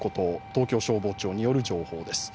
東京消防庁による情報です。